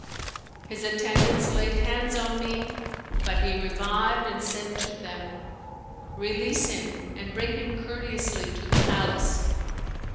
His attendants laid hands on me, but he revived and said to them, Release him and bring him courteously to the palace.'